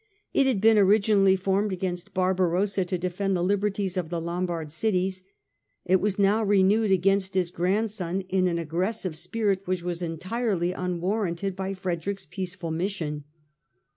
It had been originally formed against Bar barossa to defend the liberties of the Lombard cities : it was now renewed against his grandson in an aggressive spirit which was entirely unwarranted by Frederick's peaceful mission.